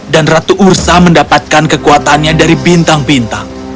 dan ratu ursa mendapatkan kekuatannya dari bintang bintang